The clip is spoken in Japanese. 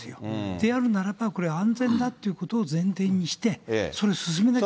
であるならば、これ、安全だということを前提して、それ、進めなきゃ。